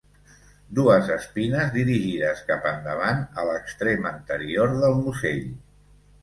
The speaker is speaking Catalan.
Dues espines dirigides cap endavant a l'extrem anterior del musell.